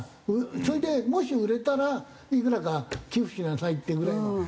それでもし売れたらいくらか寄付しなさいっていうぐらいの感じでやればね。